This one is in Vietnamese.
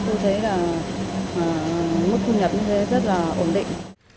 tôi thấy là mức thu nhập rất là ổn định